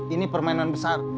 ini permainan besar